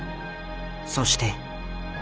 そして。